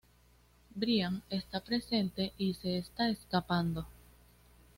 Brian está presente y se está escapando".